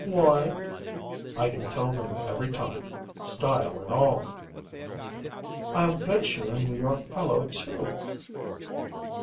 "Why?" "I can tell them every time style and all." "I'll bet you're a New York fellow, too."